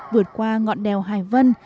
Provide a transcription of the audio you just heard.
vượt qua ngọn đèo hải vân